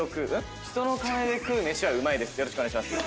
よろしくお願いします。